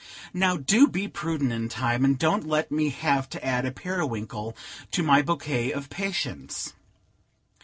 Now do be prudent in time, and don't let me have to add a Periwinkle to my bouquet of patients."